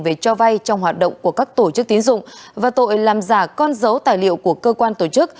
về cho vay trong hoạt động của các tổ chức tín dụng và tội làm giả con dấu tài liệu của cơ quan tổ chức